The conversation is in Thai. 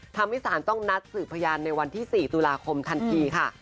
สารต้องนัดสืบพยานในวันที่๔ตุลาคมทันทีค่ะ